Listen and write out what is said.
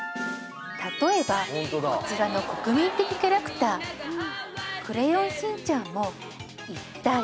例えばこちらの国民的キャラクタークレヨンしんちゃんも１：